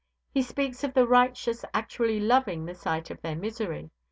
He speaks of the righteous actually loving the sight of their misery.